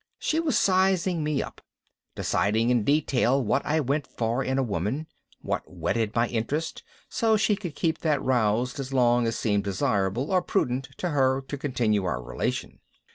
She was sizing me up, deciding in detail just what I went for in a woman, what whetted my interest, so she could keep that roused as long as seemed desirable or prudent to her to continue our relation.